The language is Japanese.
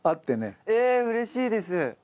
えうれしいです。